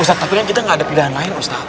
ustaz tapi kan kita gak ada pilihan lain ustaz